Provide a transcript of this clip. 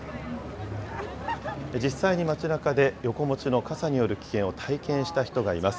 実際に街なかで、よこ持ちの傘による危険を体験した人がいます。